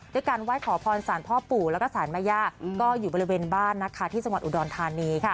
ด้วยการไหว้ขอพรสารพ่อปู่และสารมาย่าก็อยู่บริเวณบ้านที่สังวัตรอุดรธานี